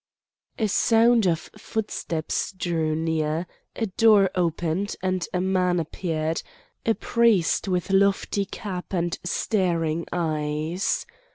A sound of footsteps drew near, a door opened, and a man appeared, a priest with lofty cap and staring eyes.